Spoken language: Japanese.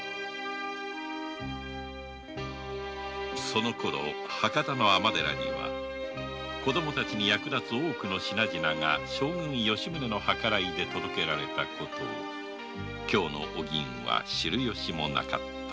そのころ博多の尼寺には子供たちに役立つ多くの品々が吉宗の計らいで届けられたことを今日のお銀は知る由もなかった